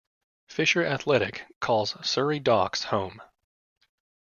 Fisher Athletic calls Surrey Docks home.